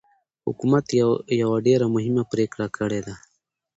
حکومت يوه ډېره مهمه پرېکړه کړې ده.